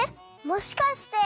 もしかして。